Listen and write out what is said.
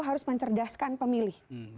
harus mencerdaskan pemilih